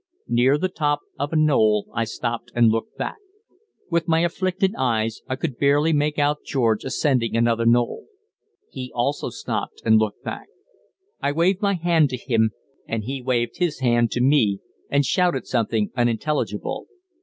Near the top of a knoll I stopped and looked back. With my afflicted eyes I could barely make out George ascending another knoll. He also stopped and looked back. I waved my hand to him, and he waved his hand to me and shouted something unintelligible.